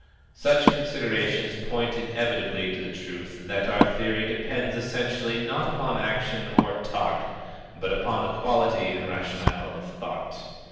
Such considerations point inevitably to the truth that our theory depends essentially not upon action or talk, but upon the quality and rationale of thought.